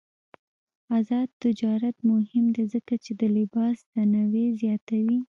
آزاد تجارت مهم دی ځکه چې د لباس تنوع زیاتوي.